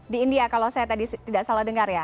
di india kalau saya tadi tidak salah dengar ya